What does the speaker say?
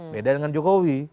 beda dengan jokowi